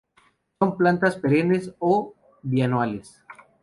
Son plantas perennes o bianuales.